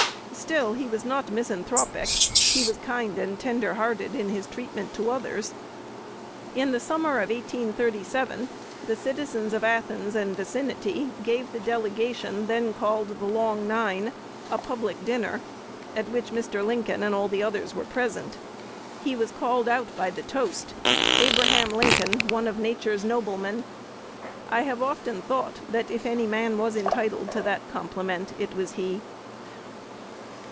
Still he was not misanthropic: he was kind and tender hearted in his treatment to others. "In the summer of 1837 the citizens of Athens and vicinity gave the delegation then called the 'Long Nine' a public dinner, at which Mr. Lincoln and all the others were present. He was called out by the toast, 'Abraham Lincoln, one of Nature's noblemen.' I have often thought, that, if any man was entitled to that compliment, it was he."